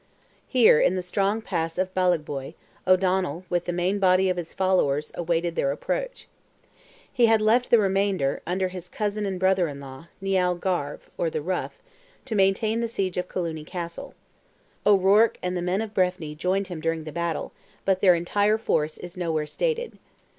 Here, in the strong pass of Ballaghboy, O'Donnell with the main body of his followers awaited their approach. He had left the remainder, under his cousin and brother in law, Nial Garve (or the rough), to maintain the siege of Colooney Castle. O'Ruarc and the men of Breffni joined him during the battle, but their entire force is nowhere stated.